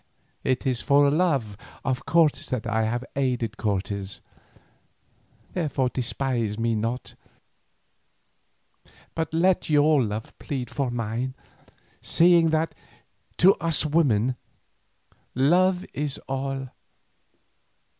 It is for love of Cortes that I have aided Cortes, therefore despise me not, but let your love plead for mine, seeing that, to us women, love is all.